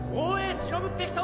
忍って人！